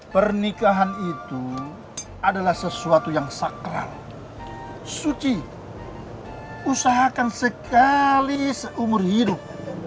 pernikahan itu adalah sesuatu yang sakral suci usahakan sekali seumur hidup